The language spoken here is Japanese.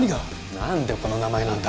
何でこの名前なんだ